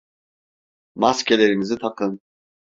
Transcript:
Maskelerinizi takın!